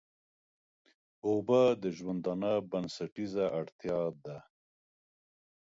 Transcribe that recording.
اوبه د ژوندانه بنسټيزه اړتيا ده.